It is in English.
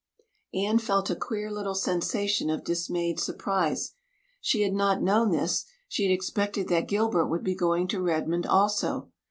Anne felt a queer little sensation of dismayed surprise. She had not known this; she had expected that Gilbert would be going to Redmond also.